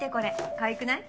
かわいくない？